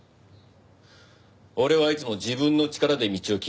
俺はいつも自分の力で道を切り開いてきた。